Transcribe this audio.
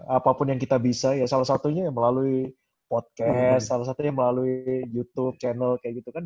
apapun yang kita bisa ya salah satunya ya melalui podcast salah satunya melalui youtube channel kayak gitu kan